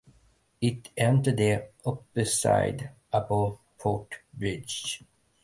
It enters the Ossipee above Porter Bridge.